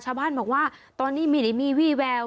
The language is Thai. ชาวบ้านบอกว่าตอนนี้ไม่ได้มีวี่แวว